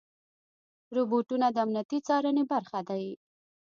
روبوټونه د امنیتي څارنې برخه دي.